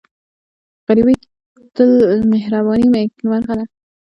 غریب ته مهرباني نیکمرغي ده